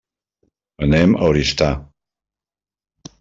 Anem a Oristà.